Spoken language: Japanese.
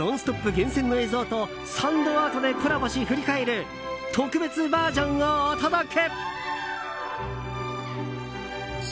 厳選の映像とサンドアートでコラボし振り返る特別バージョンをお届け。